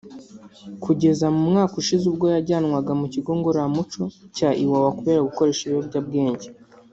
kugeza mu mwaka ushize ubwo yajyanwaga mu kigo ngororamuco cya Iwawa kubera gukoresha ibiyobyabwenge